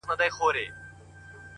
و تاته چا زما غلط تعريف کړی و خدايه’